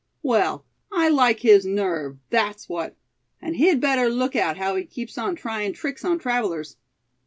Well, I like his nerve, that's what; and he'd better look out how he keeps on tryin' tricks on travelers.